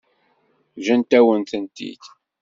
Ǧǧant-awen-tent-id.